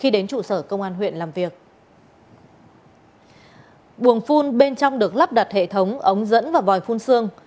buồng phun bên trong được lắp đặt hệ thống ống dẫn và vòi phun xương